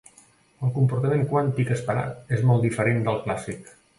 El comportament quàntic esperat és molt diferent del clàssic.